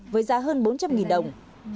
với giá hơn bốn trăm linh đồng